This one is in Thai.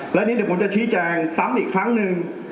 และนี่เดี๋ยวผมจะชี้แจงซ้ำอีกครั้งหนึ่ง